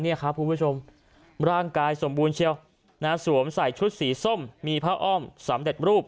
นี่ครับคุณผู้ชมร่างกายสมบูรณ์เชียวสวมใส่ชุดสีส้มมีผ้าอ้อมสำเร็จรูป